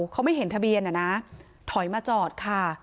เขาไม่เห็นทะเบียนอะนะถอยมาจอดค่ะ